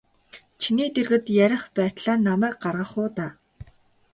Чиний дэргэд ярих байтлаа намайг гаргах уу даа.